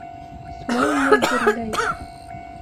Смольный гөрләй.